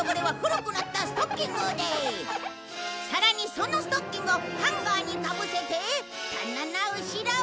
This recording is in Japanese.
さらにそのストッキングをハンガーにかぶせて棚の後ろを。